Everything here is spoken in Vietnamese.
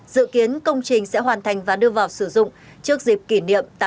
dự kiến công trình sẽ hoàn thành và đưa vào sử dụng trước dịp kỷ niệm